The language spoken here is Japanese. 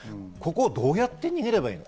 どうやって逃げればいいの。